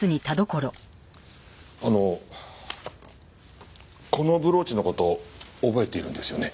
あのこのブローチの事覚えているんですよね？